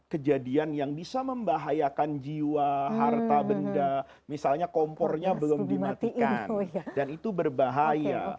kejadian yang bisa membahayakan jiwa harta benda misalnya kompornya belum dimatikan dan itu berbahaya